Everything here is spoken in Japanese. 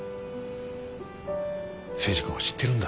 征二君は知ってるんだ。